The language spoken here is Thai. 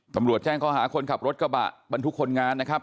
ตำรวจแจ้งข้อหาคนขับรถกระบะบรรทุกคนงานนะครับ